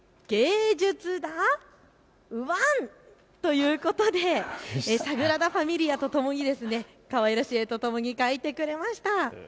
芸術だワン、ということでサグラダ・ファミリアとともにかわいらしい絵とともに描いてくれました。